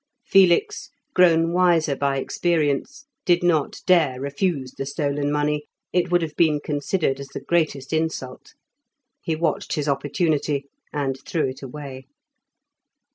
Felix, grown wiser by experience, did not dare refuse the stolen money, it would have been considered as the greatest insult; he watched his opportunity and threw it away.